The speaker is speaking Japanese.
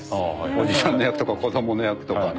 おじさんの役とか子どもの役とか。